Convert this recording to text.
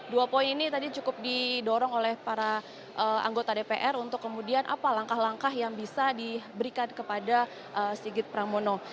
dua poin ini tadi cukup didorong oleh para anggota dpr untuk kemudian apa langkah langkah yang bisa diberikan kepada sigit pramono